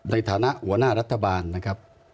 ในฐานะหัวหน้ารัฐบาลนะครับ